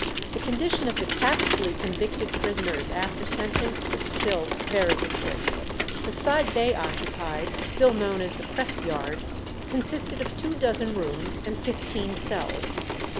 The condition of the capitally convicted prisoners after sentence was still very disgraceful. The side they occupied, still known as the press yard, consisted of two dozen rooms and fifteen cells.